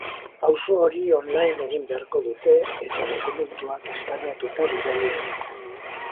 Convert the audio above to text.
Pauso hori online egin beharko dute, eta dokumentuak eskaneatuta bidali.